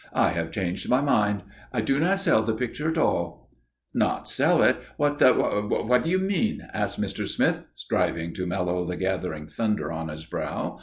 "I have changed my mind. I do not sell the picture at all." "Not sell it? What the what do you mean?" asked Mr. Smith, striving to mellow the gathering thunder on his brow.